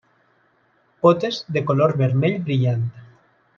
Potes de color vermell brillant.